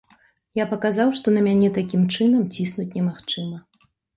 Я паказаў, што на мяне такім чынам ціснуць немагчыма.